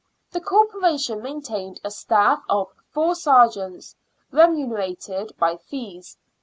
The Corporation maintained a staff of four sergeants, remunerated by fees.